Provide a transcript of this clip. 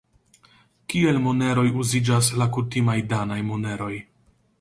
Kiel moneroj uziĝas la kutimaj danaj moneroj.